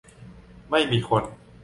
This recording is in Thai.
ไม่มีคน